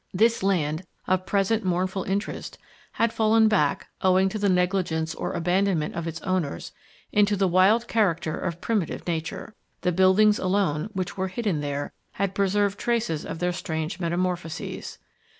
This land, of present mournful interest, had fallen back, owing to the negligence or abandonment of its owners, into the wild character of primitive nature. The buildings alone, which were hidden there, had preserved traces of their strange metamorphoses.